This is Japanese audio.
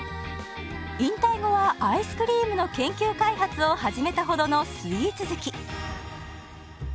引退後はアイスクリームの研究開発を始めたほどのスイーツ好き。